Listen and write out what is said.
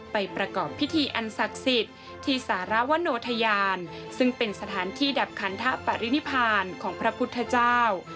ประกอบพิธีอันศักดิ์สิทธิ์ที่สารวโนธยานซึ่งเป็นสถานที่ดับคันทะปรินิพานของพระพุทธเจ้า